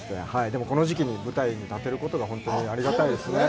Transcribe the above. でもこの時期に舞台に立てることが本当にありがたいですね。